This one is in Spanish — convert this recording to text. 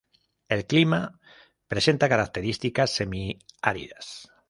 El clima presenta características semi áridas.